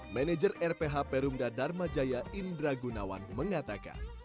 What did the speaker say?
manager rph perumda dharma jaya indra gunawan mengatakan